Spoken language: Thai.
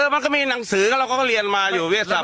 มันก็มีหนังสือเราก็เรียนมาอยู่วิทยาศาส